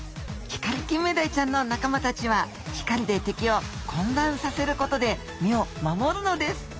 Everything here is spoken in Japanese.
ヒカリキンメダイちゃんの仲間たちは光で敵を混乱させることで身を守るのです。